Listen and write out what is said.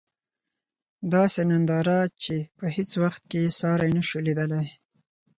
داسې ننداره چې په هیڅ وخت کې یې ساری نشو لېدلی.